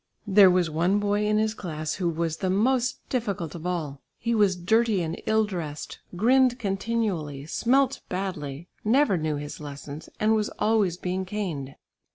There was one boy in his class who was the most difficult of all. He was dirty and ill dressed, grinned continually, smelt badly, never knew his lessons and was always being caned.